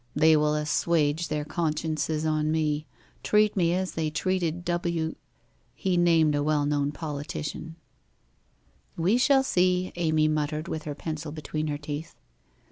They will assuage their consciences on me — treat me as they treated W *? He named a well known politician, ' We shall see,' Amy muttered, with her pencil between her teeth.